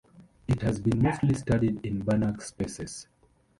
It has been mostly studied in Banach spaces.